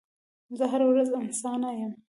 زه هره ورځ انسانه یم